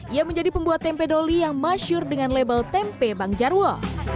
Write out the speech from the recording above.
ia menjadi pembuat tempe doli yang masyur dengan label tempe bang jarwo